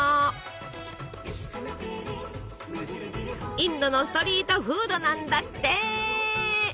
インドのストリートフードなんだって！